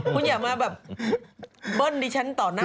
คุณอย่ามาเบิ้นทีชั้นต่อน่า